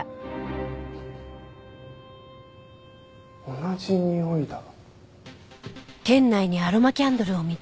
同じにおいだ。